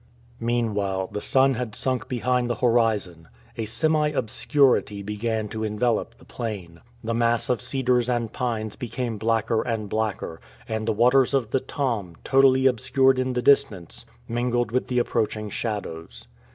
Meanwhile the sun had sunk behind the horizon. A semi obscurity began to envelop the plain. The mass of cedars and pines became blacker and blacker, and the waters of the Tom, totally obscured in the distance, mingled with the approaching shadows.